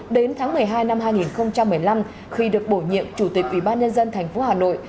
đến tháng một mươi hai năm hai nghìn một mươi năm khi được bổ nhiệm chủ tịch ủy ban nhân dân tp hà nội